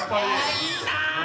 えいいな！